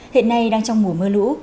hiện nay đang trong mùa mưa lũ